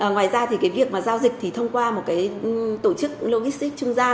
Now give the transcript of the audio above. ngoài ra thì cái việc mà giao dịch thì thông qua một cái tổ chức logistic trung gian